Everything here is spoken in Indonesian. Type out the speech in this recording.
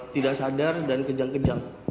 tidak sadar dan kejang kejang